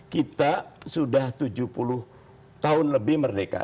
kita sudah tujuh puluh tahun lebih merdeka